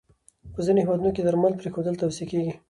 په ځینو هېوادونو کې درمل پرېښودل توصیه کېږي.